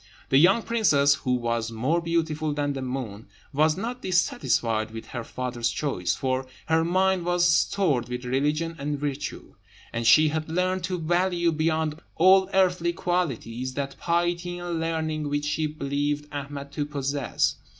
The young princess, who was more beautiful than the moon, was not dissatisfied with her father's choice; for her mind was stored with religion and virtue, and she had learnt to value beyond all earthly qualities that piety and learning which she believed Ahmed to possess.